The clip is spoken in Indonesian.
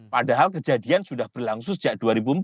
padahal kejadian sudah berlangsung sejak dua ribu empat